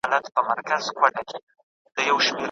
بدخشان بې لاجورد نه دی.